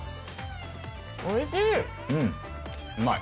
おいしい。